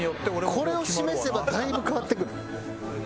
これを示せばだいぶ変わってくる。